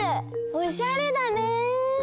おしゃれだね。